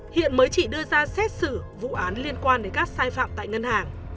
hiện mới chỉ đưa ra xét xử vụ án liên quan đến các sai phạm tại ngân hàng